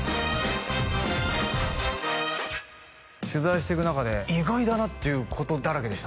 取材していく中で意外だなっていうことだらけでした